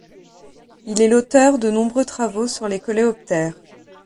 Il est l’auteur de nombreux travaux sur les coléoptères.